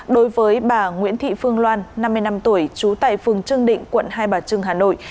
đối với bà nguyễn thị phương loan năm mươi năm tuổi trú tại phường trương định quận hai bà trưng hà nội